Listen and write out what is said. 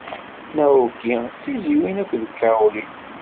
Naoki d tizzyiwin akked Kaori.